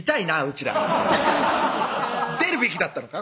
ちら出るべきだったのか？